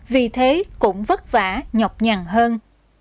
vì thế cũng vất vả nhọc nhằn hơn